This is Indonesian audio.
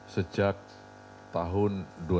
sejak tahun dua ribu tujuh belas